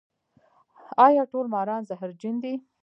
ایا ټول ماران زهرجن دي؟